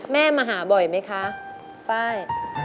แม่มาหาบ่อยไหมคะไป